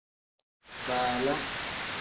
Baala.